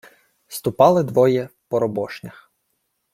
— Ступали двоє в поробошнях.